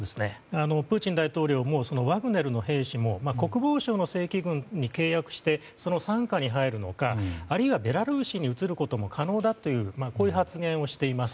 プーチン大統領もワグネルの兵士も国防省の正規軍と契約してその傘下に入るのかあるいは、ベラルーシに移ることも可能だという発言をしています。